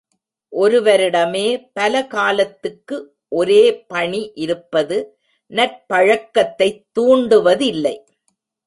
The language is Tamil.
ஒருவரிடமே பல காலத்துக்கு ஒரே பணி இருப்பது நற்பழக்கத்தைத் தூண்டுவதில்லை.